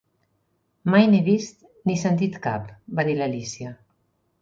"Mai n'he vist ni sentit cap", va dir l'Alícia.